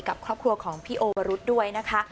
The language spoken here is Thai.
กับครอบครัวของพี่โอวรุษด้วยนะคะ